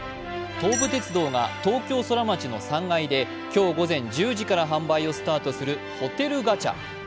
東武鉄道が東京ソラマチの３階で今日午前１０時から販売をスタートするホテルガチャ。